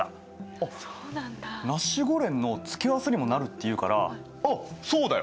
あっナシゴレンの付け合わせにもなるっていうからあそうだよ。